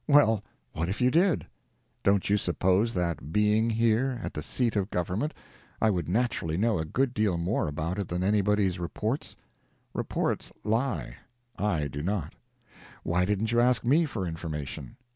Well, what if you did? Don't you suppose that, being here, at the seat of government, I would naturally know a good deal more about it than anybody's reports? Reports lie—I do not. Why didn't you ask me for information?